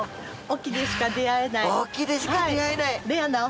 隠岐でしか出会えない！